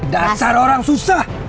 dasar orang susah